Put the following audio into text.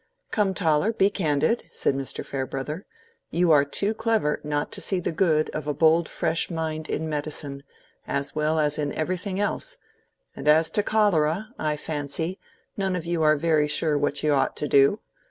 "Come, Toller, be candid," said Mr. Farebrother. "You are too clever not to see the good of a bold fresh mind in medicine, as well as in everything else; and as to cholera, I fancy, none of you are very sure what you ought to do.